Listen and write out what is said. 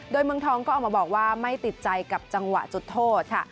โดยเมืองทองก็ออกมาบอกว่าไม่ติดใจกับจังหวะจุดโทษค่ะ